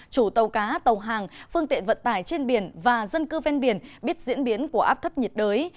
chủ tàu cá tàu hàng phương tiện vận tải trên biển và dân cư ven biển biết diễn biến của áp thấp nhiệt đới